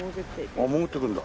あっ潜っていくんだ。